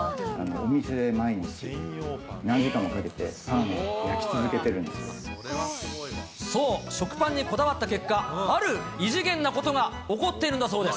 お店で毎日、何時間もかけてそう、食パンにこだわった結果、ある異次元なことが起こっているんだそうです。